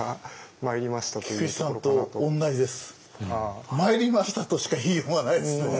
まいりましたとしか言いようがないですね。